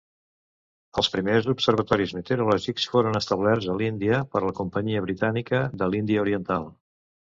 Els primers observatoris meteorològics foren establerts a l'Índia per la Companyia Britànica de l'Índia Oriental.